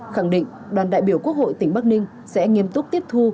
khẳng định đoàn đại biểu quốc hội tỉnh bắc ninh sẽ nghiêm túc tiếp thu